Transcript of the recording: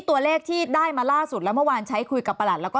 ตัวเลขที่ได้มาล่าสุดแล้วเมื่อวานใช้คุยกับประหลัดแล้วก็